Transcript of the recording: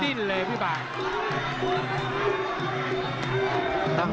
ไม่ดิ้นเลยไม่ดิ้นเลยพี่บ้าง